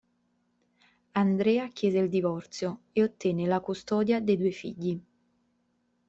Andrea chiese il divorzio, e ottenne la custodia dei due figli.